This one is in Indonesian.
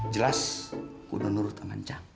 jelas kudu nurut sama cang